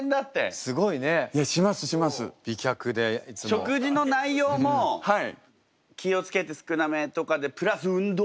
食事の内容も気を付けて少なめとかでプラス運動